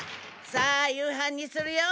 さあ夕飯にするよ。